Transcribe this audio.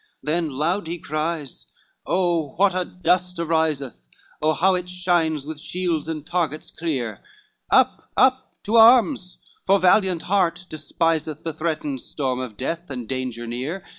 X Then loud he cries, "O what a dust ariseth! O how it shines with shields and targets clear! Up, up, to arms, for valiant heart despiseth The threatened storm of death and danger near.